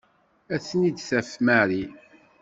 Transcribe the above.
Ad ten-id-taf Mary.